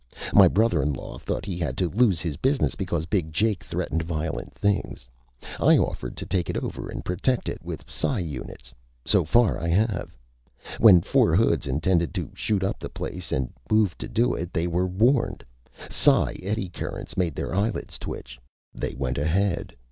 My brother in law thought he had to lose his business because Big Jake threatened violent things. I offered to take it over and protect it with psi units. So far, I have. When four hoods intended to shoot up the place and moved to do it, they were warned. Psi 'eddy currents' made their eyelids twitch. They went ahead.